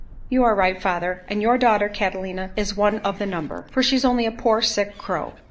"You are right, father, and your daughter Catalina is one of the number, for she's only a poor sick crow.